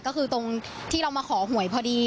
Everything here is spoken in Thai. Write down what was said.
ก็คือตรงที่เรามาขอหวยพอดี